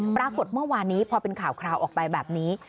ปรากฏเมื่อวานนี้พอเป็นข่าวคราวออกไปแบบนี้